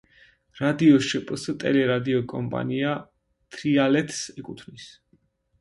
რადიო შპს „ტელე-რადიო კომპანია თრიალეთს“ ეკუთვნის.